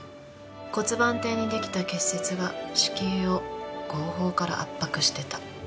骨盤底にできた結節が子宮を後方から圧迫してた。